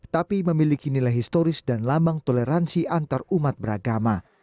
tapi memiliki nilai historis dan lambang toleransi antarumat beragama